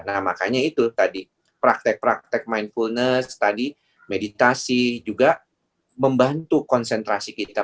nah makanya itu tadi praktek praktek mindfulness tadi meditasi juga membantu konsentrasi kita